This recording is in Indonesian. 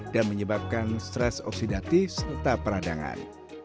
dan menyebabkan stres oksidatif serta peradangan